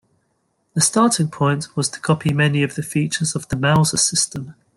The starting point was to copy many of the features of the Mauser system.